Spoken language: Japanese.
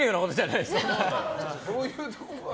どういうところが？